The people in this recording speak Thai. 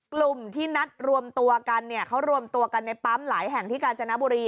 กลุ่มที่นัดรวมตัวกันเนี่ยเขารวมตัวกันในปั๊มหลายแห่งที่กาญจนบุรี